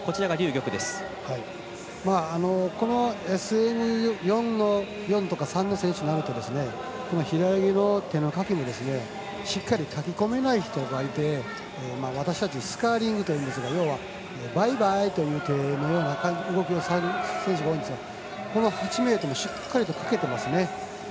このＳＭ４とかＳＭ３の選手になると平泳ぎの手のかきもしっかりかきこめない人がいて私たちスカーリングというんですがバイバイという手をする選手が多いんですがしっかりとかけてますね。